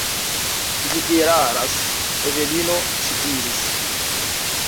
Vi eraras, Evelino, ŝi diris.